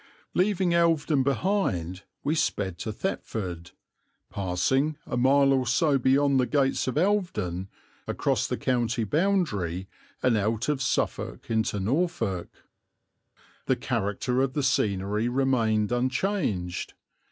Leaving Elvedon behind we sped to Thetford, passing, a mile or so beyond the gates of Elvedon, across the county boundary and out of Suffolk into Norfolk. The character of the scenery remained unchanged.